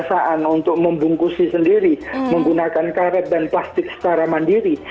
ini sudah menjadi kebiasaan untuk membungkusi sendiri menggunakan karet dan plastik secara mandiri